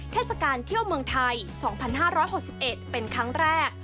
เทศกาลเที่ยวเมืองไทย๒๕๖๑เป็นครั้งแรก